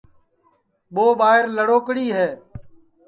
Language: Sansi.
یو ٻائیر لڑوکڑی ہے